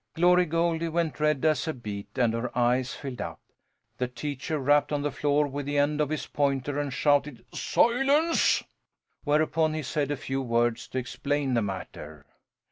Glory Goldie went red as a beet and her eyes filled up. The teacher rapped on the floor with the end of his pointer and shouted "Silence!" Whereupon he said a few words to explain the matter.